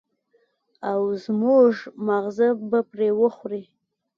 او زموږ ماغزه به پرې وخوري.